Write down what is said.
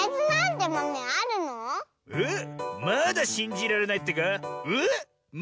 えっまだしんじられないってか？